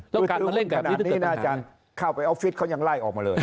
หุ้นขนาดนี้น่าจะเข้าไปออฟฟิศเขายังไล่ออกมาเลย